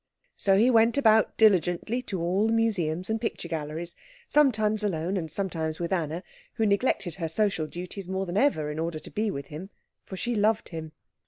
So he went about diligently to all the museums and picture galleries, sometimes alone and sometimes with Anna, who neglected her social duties more than ever in order to be with him, for she loved him.